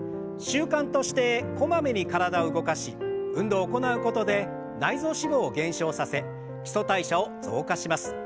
習慣としてこまめに体を動かし運動を行うことで内臓脂肪を減少させ基礎代謝を増加します。